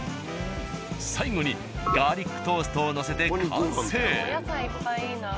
最後にガーリックトーストをのせて完成。